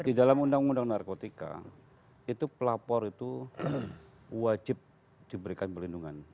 di dalam undang undang narkotika itu pelapor itu wajib diberikan pelindungan